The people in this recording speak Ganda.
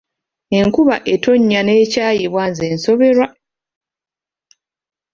Enkuba etonnya n’ekyayibwa nze nsoberwa.